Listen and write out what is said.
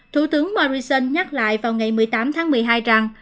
thủ tướng morrison nhắc lại vào ngày một mươi tám tháng một mươi hai rằng